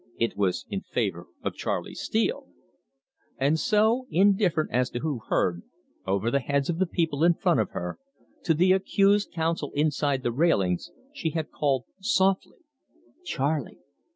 It was in favour of Charley Steele. And so, indifferent as to who heard, over the heads of the people in front of her, to the accused's counsel inside the railings, she had called, softly: "Charley!